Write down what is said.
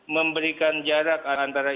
memberikan jarak antara